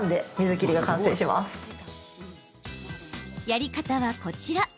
やり方はこちら。